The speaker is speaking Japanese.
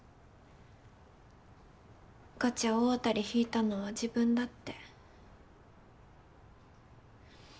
ガチャ大当たり引いたのは自分だって。